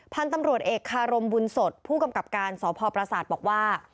พันธุ์ตำรวจเอกคารมบุญสดผู้กำกับการสพประสาทบอกว่า